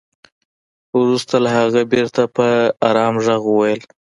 وروسته هغه بېرته په ارام ږغ وويل.